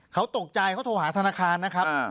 เขาตกใจเขาโทรหาธนาคารนะครับ